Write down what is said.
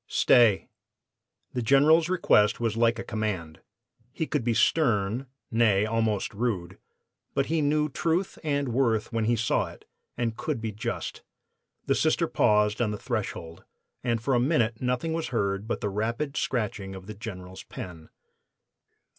"'Stay!' "The General's request was like a command. He could be stern; nay, almost rude, but he knew truth and worth when he saw it, and could be just. The Sister paused on the threshold, and for a minute nothing was heard but the rapid scratching of the General's pen.